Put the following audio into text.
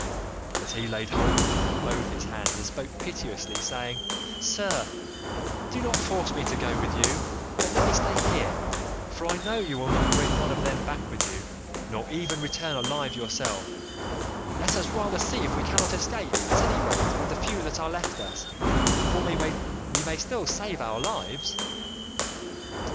But he laid hold of me with both his hands and spoke piteously, saying, 'Sir, do not force me to go with you, but let me stay here, for I know you will not bring one of them back with you, nor even return alive yourself; let us rather see if we cannot escape at any rate with the few that are left us, for we may still save our lives.